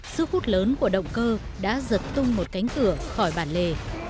sức hút lớn của động cơ đã giật tung một cánh cửa khỏi bản lề